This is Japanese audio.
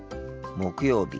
木曜日。